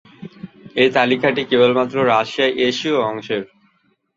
এই তালিকাটি কেবলমাত্র রাশিয়ার এশীয় অংশের।